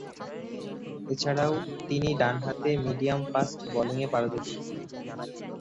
এছাড়াও তিনি ডানহাতে মিডিয়াম-ফাস্ট বোলিংয়ে পারদর্শী।